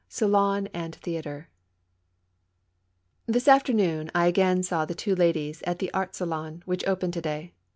SALON AND THEATRE. T HIS afternoon I again saw the two ladies at the Art Salon, which opened to day.